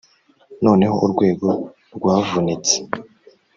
noneho urwego rwavunitse.